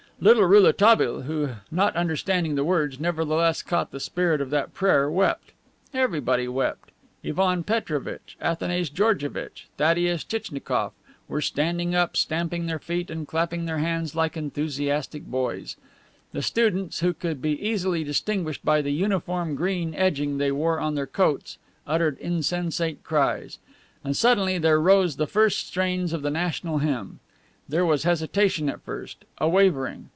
Little Rouletabille, who, not understanding the words, nevertheless caught the spirit of that prayer, wept. Everybody wept. Ivan Petrovitch, Athanase Georgevitch, Thaddeus Tchitchnikoff were standing up, stamping their feet and clapping their hands like enthusiastic boys. The students, who could be easily distinguished by the uniform green edging they wore on their coats, uttered insensate cries. And suddenly there rose the first strains of the national hymn. There was hesitation at first, a wavering.